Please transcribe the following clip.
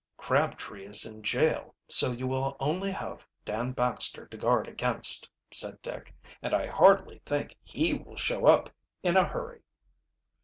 "Crabtree is in jail, so you will only have Dan Baxter to guard against," said Dick. "And I hardly think he will show up in a hurry."